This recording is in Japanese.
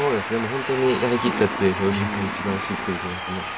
本当にやりきったという表現が一番しっくりきますね。